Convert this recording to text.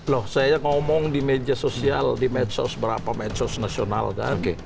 loh saya ngomong di media sosial di medsos berapa medsos nasional kan